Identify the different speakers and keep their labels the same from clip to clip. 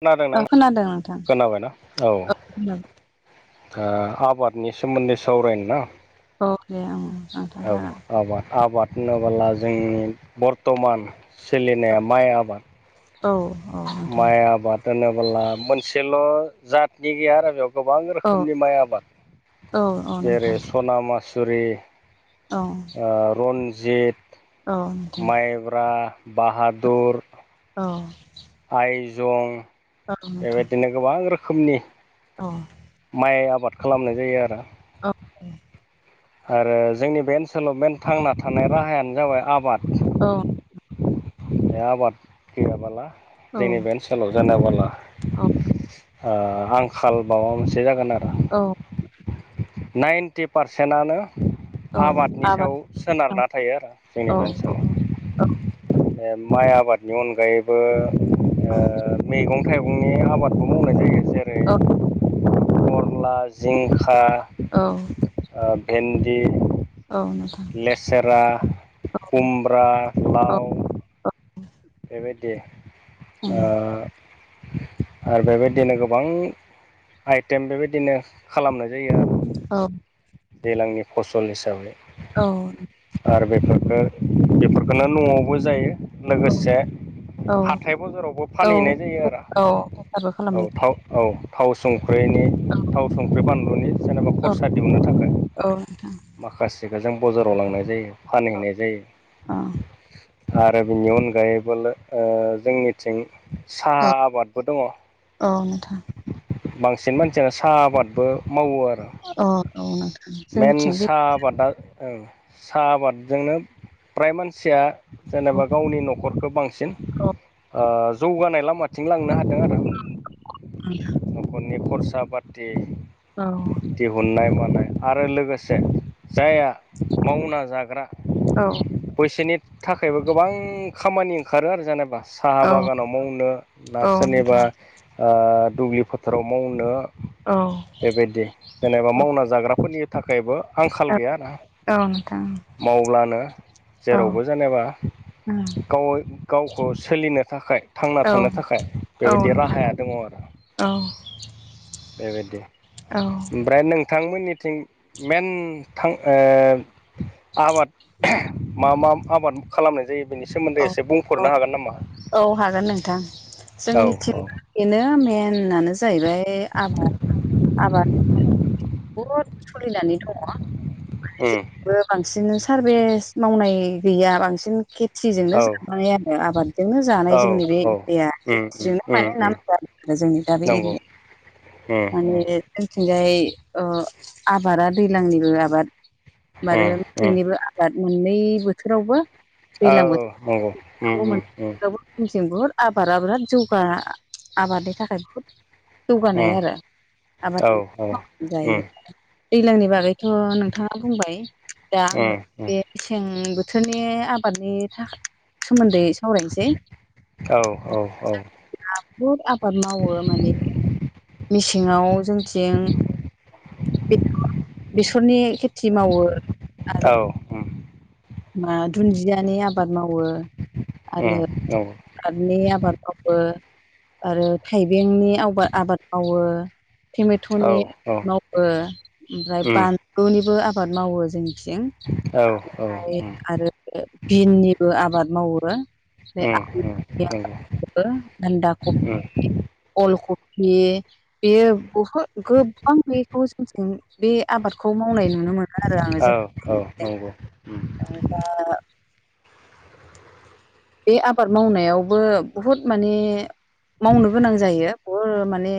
Speaker 1: खोनादों ना
Speaker 2: औ खोनादों नोंथां
Speaker 1: खोनाबायना औ।
Speaker 2: औ
Speaker 1: आबादनि सोमोन्दै सावरायनो ना?
Speaker 2: औ दे ओं।
Speaker 1: औ
Speaker 2: जागोन
Speaker 1: आबाद आबाद होनबोला जोंनि बर्थमान सोलिनाया माइ आबाद
Speaker 2: औ औ। नोंथां
Speaker 1: माइ आबाद होनोबोला मोनसेल' जातनि गैया आरो बेयाव गोबां
Speaker 2: औ
Speaker 1: रोखोमनि माइ आबाद
Speaker 2: औ नोंथां
Speaker 1: जेरै सना मासुरि
Speaker 2: औ।
Speaker 1: रन्जित
Speaker 2: औ नोंथां
Speaker 1: माइब्रा बाहादुर
Speaker 2: औ।
Speaker 1: आइजं
Speaker 2: औ नोंथां
Speaker 1: बेबायदिनो गोबां रोखोमनि
Speaker 2: औ।
Speaker 1: माइ आबाद खालामनाय जायो आरो।
Speaker 2: औ।
Speaker 1: आरो जोंनि बे ओनसोलाव मेन थांना थानाय राहायानो जाबाय आबाद।
Speaker 2: औ
Speaker 1: बे आबाद गैयाबाला
Speaker 2: औ
Speaker 1: जोंनि बे ओन सोलाव जानाबोला
Speaker 2: औ
Speaker 1: ओ आंखाल माबा मोनसे जागोन आरो।
Speaker 2: औ
Speaker 1: नाइन्टि पारसेन्टानो
Speaker 2: औ
Speaker 1: आबादनि सायाव
Speaker 2: आबाद औ
Speaker 1: सोनारना थायो आरो। जोंनि
Speaker 2: औ
Speaker 1: बे
Speaker 2: औ
Speaker 1: ओनसोलाव बे माइ आबादनि अनगायैबो
Speaker 2: औ
Speaker 1: मेगं थाइगंनि आबादबो मावनाय जायो जेरै- फरला जिंखा
Speaker 2: औ
Speaker 1: ओ भेन्दि
Speaker 2: औ नोंगौ
Speaker 1: लेसेरा खुमब्रा
Speaker 2: औ
Speaker 1: लाव बेबायदि
Speaker 2: औ
Speaker 1: ओ आरो बेबायदिनो गोबां आइटेम बेबायदिनो खालामनाय जायो आरो
Speaker 2: औ
Speaker 1: दैलांनि फसल हिसाबै
Speaker 2: औ
Speaker 1: आरो बेफोरबो बेफोरखौनो न'आवबो जायो। लोगोसे
Speaker 2: औ
Speaker 1: हाथाय बाजारावबो
Speaker 2: औ
Speaker 1: फानहैनाय जायो आरो
Speaker 2: बेफारबो
Speaker 1: औ
Speaker 2: खालामनाय
Speaker 1: थाव औ थाव संख्रिनि थाव संख्रि बानलुनि जेनेबा
Speaker 2: औ
Speaker 1: खरसा दिहुननो थाखाय।
Speaker 2: औ नोंथां
Speaker 1: माखासेखौ जों बजाराव लांनाय जायो फानहैनाय
Speaker 2: औ
Speaker 1: जायो। आरो बिनि अनगायैबो लो ओ जोंनिथिं साहा आबादबो दङ।
Speaker 2: औ नोंथां
Speaker 1: बांसिन मानसियानो साहा आबादबो मावो आरो।
Speaker 2: अ औ नोंथां
Speaker 1: मइेन
Speaker 2: जोंनिथिं बे
Speaker 1: साहा आबादा ओ साहा आबादजोंनो फ्राय मानसिया जेनेबा गावनि न'खरखौ बांसिन
Speaker 2: औ
Speaker 1: ओ जौगानाय लामाथिं लांनो हादों आरो।
Speaker 2: [unintelligible]
Speaker 1: न'खरनि खरसा पाथि
Speaker 2: औ
Speaker 1: दिहुननाय मानाय आरो लोगोसे जायहा मावना जाग्रा
Speaker 2: औ
Speaker 1: बैसोनि थाखायबो गोबां खामानि ओंखारो आरो जेनेबा साहा
Speaker 2: औ
Speaker 1: बागानाव मावनो ना
Speaker 2: औ
Speaker 1: सोरनिबा
Speaker 2: नोंथां
Speaker 1: ओ दुब्लि फोथाराव मावनो
Speaker 2: औ
Speaker 1: बेबायदि जेनेबा
Speaker 2: औ
Speaker 1: मावना जाग्राफोरनि थाखायबो आंखाल गैया रा
Speaker 2: औ नोंथां
Speaker 1: मावब्लानो
Speaker 2: औ
Speaker 1: जेरावबो जेनेबा
Speaker 2: औ
Speaker 1: गाव गावखौ सोलिनो थाखाय थांना थानो थाखाय
Speaker 2: औ
Speaker 1: बेबायदि
Speaker 2: नोंथां
Speaker 1: राहाया दङ आरो।
Speaker 2: औ
Speaker 1: बेबायदि
Speaker 2: औ
Speaker 1: ओमफ्राय नोंथांमोननिथिं मेन थां ओ आबाद मा मा आबाद खालामनाय जायो बेनि
Speaker 2: औ
Speaker 1: सोमोन्दै एसे बुंफोरनो हागोन नामा?
Speaker 2: औ हागोन नोंथां।
Speaker 1: औ
Speaker 2: जोंनिथिं
Speaker 1: औ
Speaker 2: बेनो मेनानो जाहैबाय बे आबाद आबाद बहुद सोलिनानै दङ।
Speaker 1: उम
Speaker 2: जोंनिखैबो बांसिन सारभेस मावनाय गैया बांसिन खे थिजोंनो
Speaker 1: औ
Speaker 2: जाबोनाय आरो आबाद जानाय
Speaker 1: औ
Speaker 2: जोंनि बे
Speaker 1: औ
Speaker 2: एरिया
Speaker 1: उम उम
Speaker 2: खेथिजोंनो
Speaker 1: उम
Speaker 2: माने नाम
Speaker 1: उम
Speaker 2: जादों आरो जोंनि दा बे
Speaker 1: नंगौ
Speaker 2: एरिया
Speaker 1: उम उम
Speaker 2: माने जोंथिंजाय ओ आबाद दैज्लांनिल आबाद
Speaker 1: उम
Speaker 2: बारो मेसेंनिबो आबाद मोननै बोथोरावबो
Speaker 1: औ नंगौ उम उम
Speaker 2: बुहुत जोंनिथिं बुहुद आबादा बिराद जौगा आबादनि थाखाय बुहुद जौगानाय
Speaker 1: उम
Speaker 2: आरो
Speaker 1: औ
Speaker 2: आबाद
Speaker 1: उम उम
Speaker 2: जायो। दैज्लांनि बागैथ' नोंथांङा बुंबाय। दा
Speaker 1: औ
Speaker 2: आंङो बे मेसें बोथोरनि आबादनि थाखा सोमोन्दै सावरायनोसै।
Speaker 1: औ औ उम नंगौ औ उम
Speaker 2: आ बहुद आबाद मावो माने मेसेङाव जोंथिं बेसरनि खेथि मावो
Speaker 1: औ
Speaker 2: आरो
Speaker 1: उम
Speaker 2: मा दुन्दियानि आबाद मावो आरो आादनि आबाद मावो आरो थाइबेंनि आबाद मावो टमेट'निाद
Speaker 1: उम
Speaker 2: मावो ओमफ्राय बानलुनिबो आबाद मावो जोंथिं।
Speaker 1: औ
Speaker 2: ओमफ्राय आरो बिननिबो आबाद मावो।
Speaker 1: नंगौ
Speaker 2: [unintelligible]
Speaker 1: उम
Speaker 2: अल कपि बेयो बहुद गोबां बेखौ जोंजों बे आबादखौ मावनाय नुनो मोनो आरो आंङो
Speaker 1: औ
Speaker 2: जों
Speaker 1: औ नंगौ उम
Speaker 2: [unintelligible] बे आबाद मावनायावबो बुहुद माने मावनो गोनां जायो। बहु माने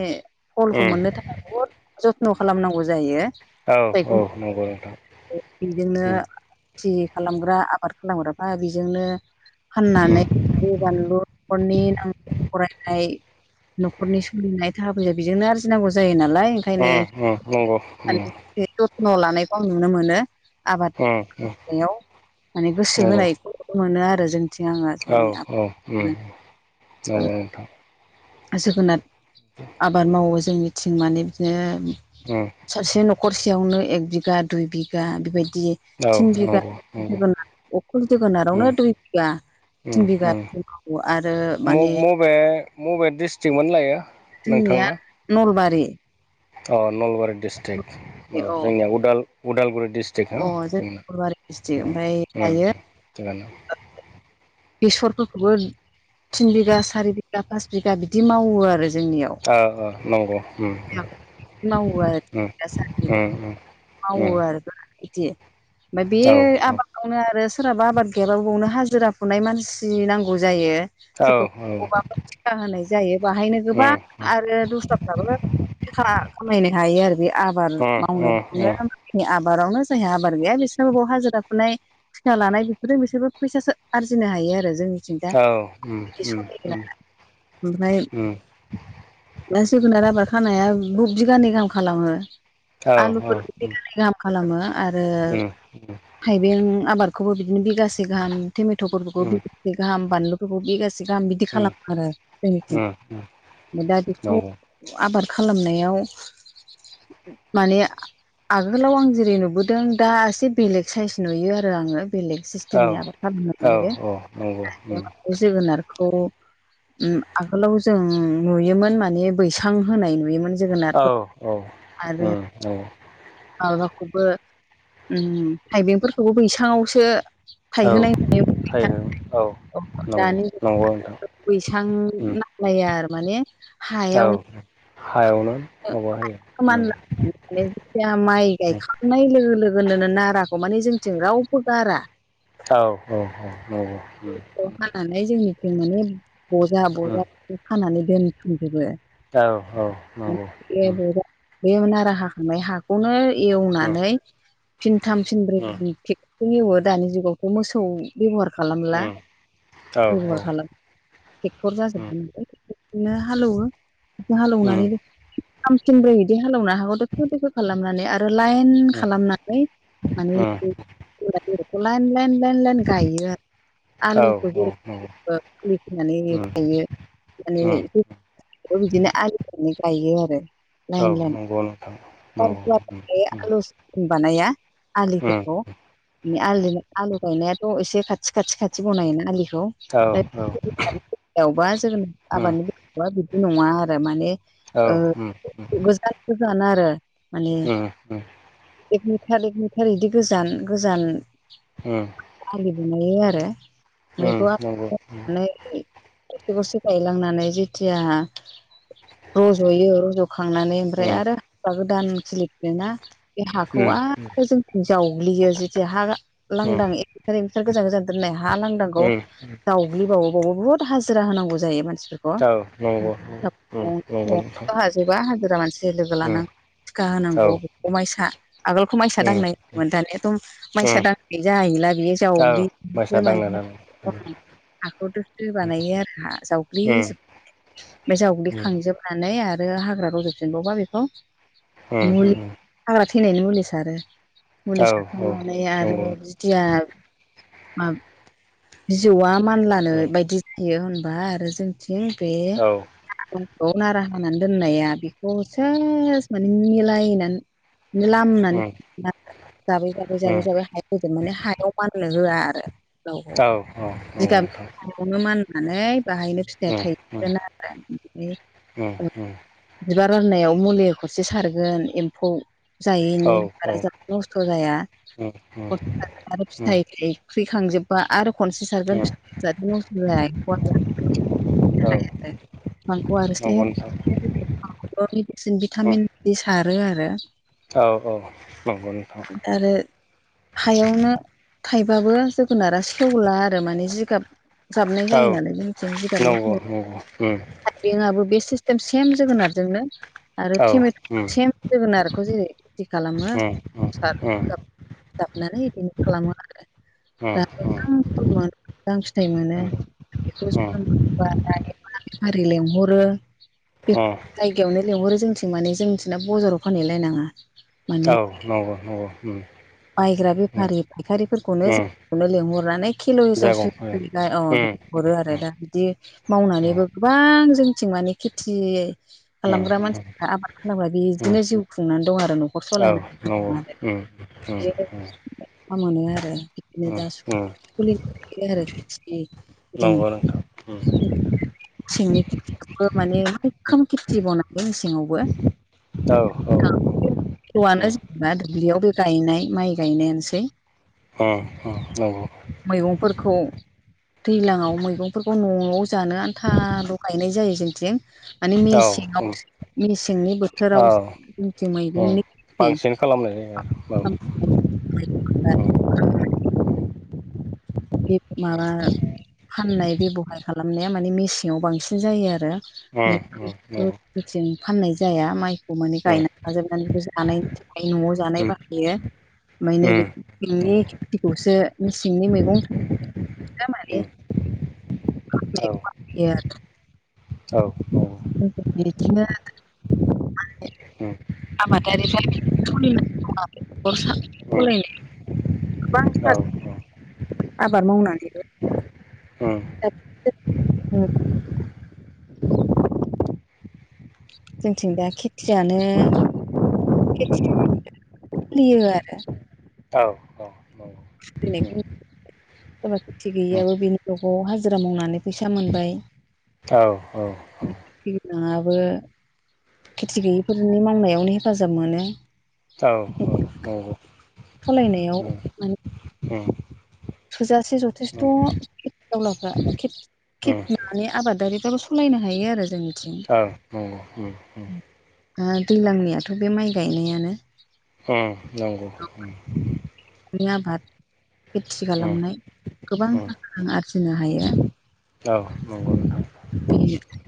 Speaker 2: फलखौ मोननो थाखाय बुहुद जथ्न' खालामनांगौ जायो।
Speaker 1: औ औ नंगौ नोंथां
Speaker 2: [unintelligible] बिजोंनो खेथि खालामग्रा आबाद खालामग्राफ्रा बेजोंनो फाननानै
Speaker 1: उम उम
Speaker 2: बानलु'खरनि नां फरायनाय न'खरनि सोलिनाय थाखा फैसा बेजोंनो आरजिनांगौ जायो नालाय
Speaker 1: उम उम नंगौ उम
Speaker 2: बे जथ्न' लानायखौ आं नुनो मोनो। आबाद
Speaker 1: उम उम
Speaker 2: मावनायाव माने गोसो
Speaker 1: नंगौ
Speaker 2: होनायखौ नुनोमोनो आरो जों [unintelligible]
Speaker 1: औ औ उम नंगौ नोंथां
Speaker 2: जोगोनार आबाद मावो जों मिथिं माने बिदिनो
Speaker 1: उम
Speaker 2: सासे न'खरसेयावनो एक बिगा दुइ बिगा बेबायदि
Speaker 1: औ
Speaker 2: थिन बिगा
Speaker 1: नंगौ नंगौ
Speaker 2: जोगोनार अखल जोगोनारावनो
Speaker 1: उम
Speaker 2: दुइ बिगा
Speaker 1: उम
Speaker 2: थिन मावो आरो
Speaker 1: उम
Speaker 2: माने
Speaker 1: मबे मबे डिस्ट्रिकमोन लायो?
Speaker 2: जोंनिया
Speaker 1: नोंथांना
Speaker 2: नलबारि
Speaker 1: अ नलबारि डिस्ट्रिक्ट
Speaker 2: औ
Speaker 1: जोंनिया उदाल उदालगुरि दिस्ट्रिक
Speaker 2: अ जों नलबारि डिस्ट्रिक ओमफ्राय दायो
Speaker 1: [unintelligible]
Speaker 2: बेसरफोरखौबो थिन बिगा सारि बिगा पास बिगा बिदि मावो आरो जोंनियाव
Speaker 1: ओ ओ नंगौ उम
Speaker 2: मावो आरो
Speaker 1: उम
Speaker 2: दा सानदि
Speaker 1: उम उम
Speaker 2: मावो
Speaker 1: उम
Speaker 2: आरो बिदि ओमफ्राय बे
Speaker 1: औ
Speaker 2: आबाद यावनो आरो सोरहाबा आबाद गैयाबाबो बेयावनो हाजिरा फुनाय मानसि नांगौ जायो।
Speaker 1: औ औ
Speaker 2: फुजा होनाय जायो बाहायनो
Speaker 1: उम
Speaker 2: गोबां
Speaker 1: उम
Speaker 2: आरो दस्राफ्राबो। खा खामायनो हायो आरो बे आबाद
Speaker 1: उम
Speaker 2: मावनायखौनो नि आबादावनो जायहा आबाद गैया बिसोरनो बेयाव हाजिराखुनाय, टिकालानाय बेफोरजों बिसोरबो फैसासो आरजिनो हायो आरो जों जों जा
Speaker 1: औ उम
Speaker 2: बिदि
Speaker 1: उम
Speaker 2: सलियो
Speaker 1: उम
Speaker 2: आरो ओमफ्राय
Speaker 1: उम
Speaker 2: दा जोगोनार आबाद खानाया बु बिगानै गाहाम खालामो
Speaker 1: औ औ
Speaker 2: आलुफोर
Speaker 1: उम उम
Speaker 2: बिगानै गाहाम, खालामो आरो
Speaker 1: उम
Speaker 2: थाइबें आबादखौबो बिदिनो बिगासे गाहाम, टमेटफोरखौबो
Speaker 1: उम
Speaker 2: बिगासे गाहाम बानलुफोरखौबो बिगासे गाहाम बिदि
Speaker 1: उम
Speaker 2: खालामो आरो जोंनिथिं
Speaker 1: उम
Speaker 2: दा बेखौ
Speaker 1: नंगौ
Speaker 2: आबाद खालामनायाव माने आगोलाव आं जेरै नुबोदों दा एसे बेलेग साइस नुयो आरो आङो। बेलेग
Speaker 1: औ
Speaker 2: सिस्टेमनि आबाद खालामनाय
Speaker 1: औ
Speaker 2: नुयो।
Speaker 1: औ नंगौ उम
Speaker 2: बे जोगोनारखौ आगोलाव जों नुयोमोन माने बैसां होनाय नुयोमोन। जोगोनारफोर
Speaker 1: औ औ
Speaker 2: आरो
Speaker 1: औ
Speaker 2: माबाखौबो उम थाइबेंफोरखौबो बैसांआवसो।
Speaker 1: औ
Speaker 2: थायहोनाय नुयो मैथा
Speaker 1: थारैनो औ नंगौ
Speaker 2: दानि
Speaker 1: नंगौ नोंथां
Speaker 2: बैसां
Speaker 1: उम
Speaker 2: ना फायार माने
Speaker 1: औ हायावनो, माबा होयो
Speaker 2: [unintelligible] खो
Speaker 1: उम
Speaker 2: मानला माने जिथिया माइ
Speaker 1: उम
Speaker 2: गायखांनाय लोगो लोगोनो नाराखौ माने जोंनिथिं रावबो गारा,
Speaker 1: औ औ औ नंगौ।
Speaker 2: नै जोंनिथि माने बजा
Speaker 1: उम
Speaker 2: बजाखौ खानानै दोनथुमजोबो।
Speaker 1: औ औ नंगौ उम
Speaker 2: [unintelligible] बैयाव नारा हाखांबाय हा। खौनो
Speaker 1: उम
Speaker 2: एवनानै फिनथाम फिनब्रै
Speaker 1: उम
Speaker 2: एवो दानि जुगावथ' मोसौ बेब'हार खालामला
Speaker 1: औ
Speaker 2: बेब'हार खालाम ट्रेक्टर
Speaker 1: उम
Speaker 2: जाजोबगोनो बेखौनो हालौवो बिखौ
Speaker 1: उम
Speaker 2: हालौनानै, फिनथाम फिनब्रै इदि हालौना हाखौ दोखो दोखो। खालामनानै आरो लाइन
Speaker 1: उम
Speaker 2: खालामनानै माने
Speaker 1: उम
Speaker 2: बि बेखौ लाइन लाइन लाइन लाइन गायो।
Speaker 1: औ
Speaker 2: आलुखौ
Speaker 1: औ नंगौ
Speaker 2: जेरै जेरैखिनानै
Speaker 1: उम
Speaker 2: गायो माने
Speaker 1: उम
Speaker 2: बेखौ बिदिनो आलु होननानै गायो आरो
Speaker 1: औ
Speaker 2: लाइन लाइन
Speaker 1: नंगौ नोंथां नंगौ उम
Speaker 2: [unintelligible] बानाया
Speaker 1: उम
Speaker 2: आलिफोरखौ बे आलि आलु गायनायाथ' एसे खाथि खाथि खाथि बनायो आलिखौ
Speaker 1: औ उम
Speaker 2: [unintelligible] जोगोनार आबादनि मा बिदि नङा आरो माने
Speaker 1: औ
Speaker 2: ओ
Speaker 1: उम उम
Speaker 2: गोजान गोजान आरो माने
Speaker 1: उम
Speaker 2: एक मिटार एक मिटार इदि गोजान गोजान।
Speaker 1: हो
Speaker 2: आलि दुमहैयो आरो
Speaker 1: नंगौ उम
Speaker 2: मैगंनानै गरसे गरसे गायलांनानै जेथिया। रज'यो रज' खांनानै ओमफ्राय
Speaker 1: उम
Speaker 2: आरो औवा गोदान खिलिफिनो ना बे
Speaker 1: उम
Speaker 2: हाखौ आरो जों जावग्लियो जिथिया हा
Speaker 1: उम
Speaker 2: लांदां एक मिटार गोजान गोजान दोननाय हा लां नांगौ
Speaker 1: उम औ
Speaker 2: जावग्लिबावबावो बुहुद हाजिरा होनांगौ जायो मानसिफोर [unintelligible]
Speaker 1: नंगौ उम नंगौ नोंथां उम औ उम उम
Speaker 2: हाजोबा हाजिरा मानसि लोगो लानांगौ। थिखा होनांगौ बेखौ माइसा आगोलखौ माइसा दांनाय दानियाथ' माइसा दां बे जाहैला बेयो
Speaker 1: औ माइसा
Speaker 2: जावग्लियो
Speaker 1: दांनो
Speaker 2: माने।
Speaker 1: दांनो उम
Speaker 2: हाखौ दोखो बानायो आरो हा
Speaker 1: उम
Speaker 2: जावग्लिजोब ओमफाय
Speaker 1: उम
Speaker 2: जावग्लिखांजोब नानै आरो हाग्रा रज'फिनबावबा बेखौ
Speaker 1: उम
Speaker 2: मुलि हाग्रा थैनायनि मुलि सारो
Speaker 1: औ
Speaker 2: मुलि
Speaker 1: औ
Speaker 2: सारखांनानै आरो
Speaker 1: नंगौ
Speaker 2: बि खुथिया मा बिजौआ मानलानो
Speaker 1: उम
Speaker 2: बायदि बियो होनबा आरो जोंनिथिं बे
Speaker 1: औ उम औ
Speaker 2: बेखौ नारा हानानै दोननाया बेखौ सेस माने मिलायनानै लामनानै [unintelligible] [unintelligible] माने हायाव माननो होआ आरो लावखौ
Speaker 1: औ नंगौ
Speaker 2: जिगाब
Speaker 1: नोंथां
Speaker 2: सायावनो माननानै बाहायनो फिथाय
Speaker 1: उम उम
Speaker 2: थायगोन आरो
Speaker 1: उम उम
Speaker 2: बिबार बारनायाव मुलि खरसे सारगोन एम्फौ
Speaker 1: औ
Speaker 2: जायैनि
Speaker 1: उम
Speaker 2: [inaudible] नस्थ' जाया [inaudible]
Speaker 1: उम
Speaker 2: आरो
Speaker 1: उम
Speaker 2: फिथाइ थाइ ख्रिखांजोबबा आरो खनसे
Speaker 1: उम
Speaker 2: सारगोन फि [unintelligible]
Speaker 1: औ
Speaker 2: [unintelligible]
Speaker 1: नंगौ नोंथां
Speaker 2: [inaudible]
Speaker 1: उम
Speaker 2: भिटामिन बि सारो आरो।
Speaker 1: औ औ नंगौ नोंथां।
Speaker 2: आरो हायावनो थाइबाबो जोगोनारा सेवला आरो माने जिगाब जाबनाय
Speaker 1: औ
Speaker 2: जायो नालाय जोंथिं जिगाबनि
Speaker 1: नंगौ नंगौ उम
Speaker 2: थाखाय बेंकआबो बे सिस्टेम सेम जोगोनारजोंनो। आरो
Speaker 1: औ उम उम
Speaker 2: टेमेट'खौ सेम जोगोनारखौ जेरै खेथि
Speaker 1: उम
Speaker 2: खालामो।
Speaker 1: उम
Speaker 2: [unintelligible] खालामो आरो दा मोजां फल मोनो मोजां फिथाइ मोनो
Speaker 1: उम
Speaker 2: बेखौ
Speaker 1: उम
Speaker 2: [inaudible] लेंहरो बे
Speaker 1: औ नंगौ
Speaker 2: बियावनो लिंहरो जोंथिं माने जोंनिथिंना बजाराव फानैलायनाङा।
Speaker 1: औ नंगौ नंगौ ओम।
Speaker 2: बायग्रा बेफारि फायखारिफोरखौनो जों खौनो लिंहरनानै खिल' हिसाबै सुयो अ बिदि हरो आरो दा बिदि मावनानैबो गोबां जोंथिं माने खेथि खालामग्रा मानसिफ्रा आबाद खालामग्रा बिदिनो जिउ खुंनानै दं आरो न'खर सलायनानै [unintelligible]
Speaker 1: अ अ
Speaker 2: [unintelligible]
Speaker 1: नंगौ नोंथां उम
Speaker 2: मेसेंनि खेथिखौबो माने मैखोम खेथि मावनांगो मेसेङावबो। [unintelligible] दुब्लियाव बो गायनाय माइ गायनायानोसै।
Speaker 1: अ अ औ
Speaker 2: मैगंफोरखौ दैलाङाव मैगंफोरखौ न'आव जानो आन्थाल' गायनाय जायो जोंथिं। माने
Speaker 1: औ उम
Speaker 2: मेसेङाव मेसेंनि
Speaker 1: औ
Speaker 2: बोथोराव जोंथिं
Speaker 1: उम
Speaker 2: मैगंनि खेथि।
Speaker 1: बांसिन खालामनाय जायो औ
Speaker 2: बे माबा फाननाय बेबहार खालामनाया माने मेसेङाव बांसिन जायो आरो। [inaudible] थिं फाननाय जाया माइ माने गायना लाजोबनानै जानायनि न'आव जानाय बाहायो ओमफाय नैबे मेसेंनि खेथिखौसो मेसेंनि मैगं [unintelligible]
Speaker 1: औ औ
Speaker 2: बिदिनो
Speaker 1: उम
Speaker 2: [unintelligible] गोबां [inaudible] आबाद मावनानैबो
Speaker 1: उ
Speaker 2: दा जोंथिं दा खेथियानो [unintelligible] आरो
Speaker 1: औ अ औ
Speaker 2: [unintelligible] सोरबा खेथि गैयियाबो बिनि नखराव हाजिरा मावनानै फैसा मोनबाय
Speaker 1: औ औ औ
Speaker 2: नोङाबो खेथि गैयिफोरनि माननायावनो हेफाजाब मोनो
Speaker 1: औ औ औ
Speaker 2: खालायनायाव
Speaker 1: [inaudible]
Speaker 2: थोजासे जथेस्थ' खेथि आवलाफ्रा [unintelligible] खेथ माने आबादारिफ्राबो सलायनो हायो आरो जों
Speaker 1: थां नंगौ उ उ
Speaker 2: ओ दैलांनियाथ' बे माइ गायनायानो
Speaker 1: उ नांगौ उ
Speaker 2: [unintelligible] आबाद खेथि
Speaker 1: उम
Speaker 2: खालामनाय गोबां [unintelligible] आरजिनो हायो।
Speaker 1: औ नंगौ नोंथां
Speaker 2: [unintelligible]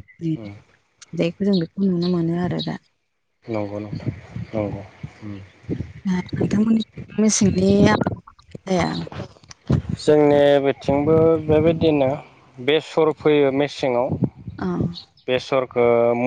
Speaker 2: बेैखौ जों बेखौ नुनो मोनो आरो दा
Speaker 1: नंगौ नोंथां नंगौ उ
Speaker 2: [unintelligible] नोंथांमोननि मेसेंनि [unintelligible] जाया
Speaker 1: जोंने बिथिंबो बेबायदिनो बेसर फोयो मेसेङाव
Speaker 2: [unintelligible]
Speaker 1: बेसरखो [unintelligible]